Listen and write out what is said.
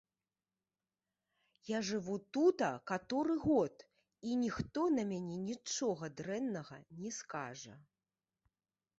Я жыву тута каторы год, і ніхто на мяне нічога дрэннага не скажа.